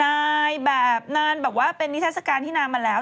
นานแบบแบบว่าเป็นนิเศษการที่นานมาแล้ว